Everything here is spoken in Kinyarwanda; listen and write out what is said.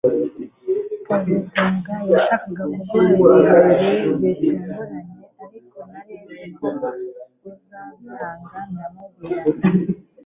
kazitunga yashakaga kuguha ibirori bitunguranye ariko nari nzi ko uzabyanga ndamubwira nti